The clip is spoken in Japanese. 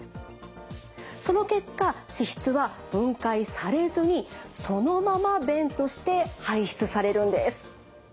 その結果脂質は分解されずにそのまま便として排出されるんです。